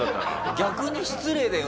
逆に失礼だよ